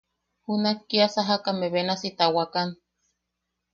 Junak kia sajakame benasi tawakan.